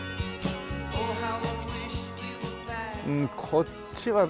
こっちはね